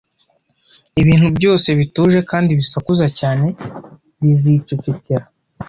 Ibintu byose, bituje kandi bisakuza cyane, bizicecekera